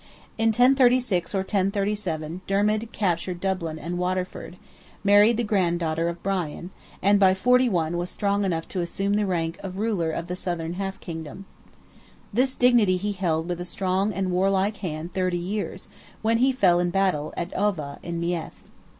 In 1036 or 1037 Dermid captured Dublin and Waterford, married the grand daughter of Brian, and by '41 was strong enough to assume the rank of ruler of the southern half kingdom. This dignity he held with a strong and warlike hand thirty years, when he fell in battle, at Ova, in Meath.